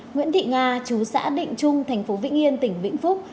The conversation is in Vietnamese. nguyễn thị nga chú xã định trung tp vĩnh yên tỉnh vĩnh phúc